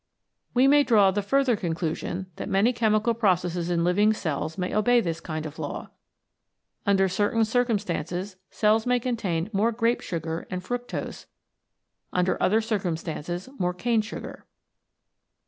We may draw the further con clusion that many chemical processes in living cells may obey this kind of law. Under certain circum stances cells may contain more grape sugar and fructose, under other circumstances more cane sugar.